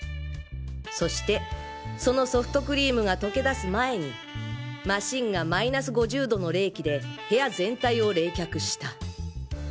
そしてそのソフトクリームが溶け出す前にマシンがマイナス５０度の冷気で部屋全体を冷却した。